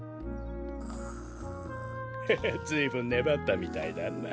ググ。へへずいぶんねばったみたいだな。